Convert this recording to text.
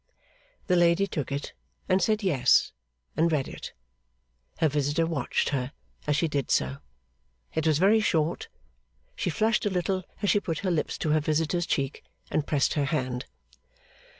The lady took it, and said yes, and read it. Her visitor watched her as she did so. It was very short. She flushed a little as she put her lips to her visitor's cheek, and pressed her hand.